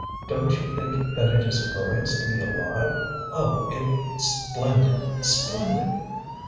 DonŌĆÖt you think that it is glorious to be alive? Oh! ItŌĆÖs splendid, splendid!